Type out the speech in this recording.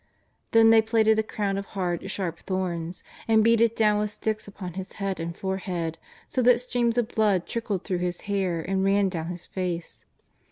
Then they plaited a crowTi of hard, sharp thorns, and beat it down with sticks upon His head and forehead, so that streams of blood trickled through His hair and ran dovni His face.